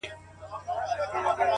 بدراتلونکی دې مستانه حال کي کړې بدل _